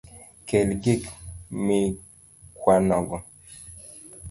Kel gik mikwanogo